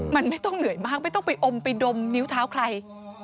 มันไม่ต้องเหนื่อยมากไม่ต้องไปอมไปดมนิ้วเท้าใคร